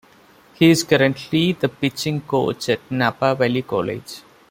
He is currently the pitching coach at Napa Valley College.